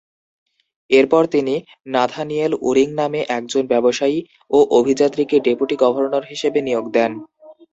এরপর তিনি Nathaniel Uring নামে একজন ব্যবসায়ী ও অভিযাত্রীকে ডেপুটি গভর্নর হিসেবে নিয়োগ দেন।